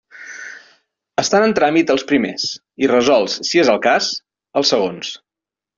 Estan en tràmit els primers i resolts, si és el cas, els segons.